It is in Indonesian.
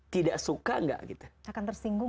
tidak suka gak gitu